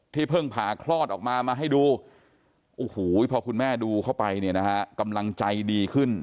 ที่เพิ่งผ่าคลอดออกมาให้ดูพอคุณแม่ดูเข้าไปกำลังใจดีขึ้น